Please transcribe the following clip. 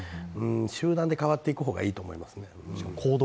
集団で変わっていく方がいいと思いますね。